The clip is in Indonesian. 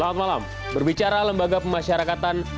selamat malam berbicara lembaga pemasyarakatan